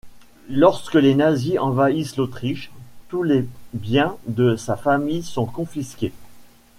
Lorsque les Nazis envahissent l'Autriche, tous les biens de sa famille sont confisqués.